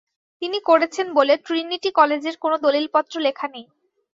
তিনি করেছেন বলে ট্রিনিটি কলেজের কোন দলিলপত্র লেখা নেই।